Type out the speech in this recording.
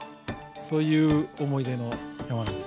そういう思い出の山なんです。